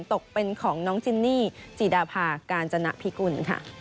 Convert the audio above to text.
ตกเป็นของน้องจินนี่จีดาภากาญจนพิกุลค่ะ